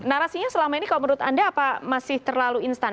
narasinya selama ini kalau menurut anda apa masih terlalu instan